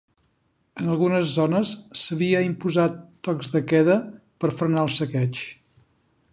En algunes zones s'havia imposat tocs de queda per frenar el saqueig.